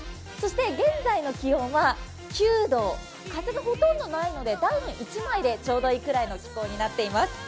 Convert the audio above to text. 現在の気温は９度、風がほとんどないのでダウン１枚でちょうどいいくらいの気候になっています。